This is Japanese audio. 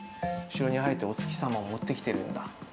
後ろにあえてお月様を持ってきてるんだ。